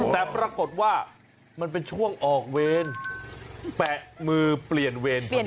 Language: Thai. แต่ปรากฏว่ามันเป็นช่วงออกเวรแปะมือเปลี่ยนเวรพอดี